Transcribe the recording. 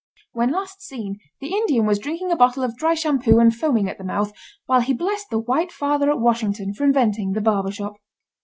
When last seen the Indian was drinking a bottle of dry shampoo and foaming at the mouth, while he blessed the White Father at Washington for inventing the barber shop.